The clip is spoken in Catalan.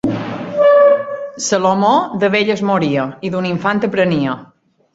Salomó, de vell es moria... i d'un infant aprenia.